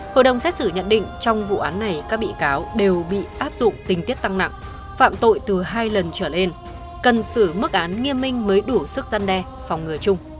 hội đồng xét xử nhận định trong vụ án này các bị cáo đều bị áp dụng tình tiết tăng nặng phạm tội từ hai lần trở lên cần xử mức án nghiêm minh mới đủ sức gian đe phòng ngừa chung